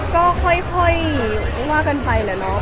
ก็ค่อยว่ากันไปแหละเนาะ